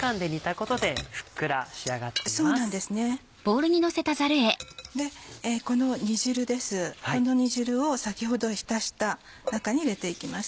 この煮汁を先ほど浸した中に入れていきます。